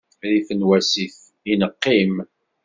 Rrif n wasif i neqqim.